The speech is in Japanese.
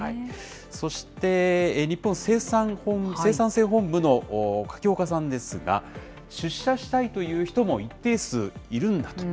そして、日本生産性本部の柿岡さんですが、出社したいという人も一定数いるんだと。